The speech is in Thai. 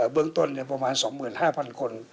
เบื้องต้นประมาณ๒๕๐๐คน